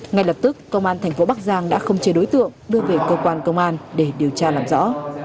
ngay lập tức công an tp bắc giang đã không chê đối tượng đưa về cơ quan công an để điều tra làm rõ